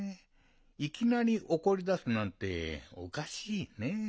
いきなりおこりだすなんておかしいねえ。